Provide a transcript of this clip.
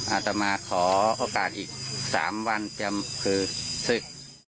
อาจจะมาขอโอกาสอีกสามวันเตรียมคือสึก